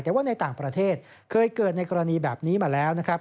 แต่ว่าในต่างประเทศเคยเกิดในกรณีแบบนี้มาแล้วนะครับ